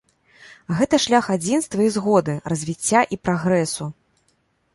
Гэта шлях адзінства і згоды, развіцця і прагрэсу.